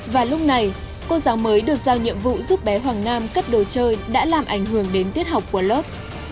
và lúc này cô giáo mới được giao nhiệm vụ giúp bé hoàng nam cất đồ chơi đã làm ảnh hưởng đến tiết học của lớp